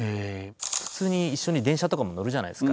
普通に一緒に電車とかも乗るじゃないですか。